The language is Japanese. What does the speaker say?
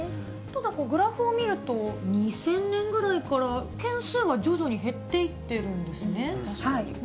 ただ、グラフを見ると、２０００年ぐらいから、件数は徐々に減っていってるんですね。